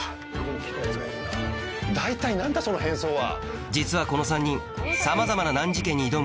大体何だその変装は。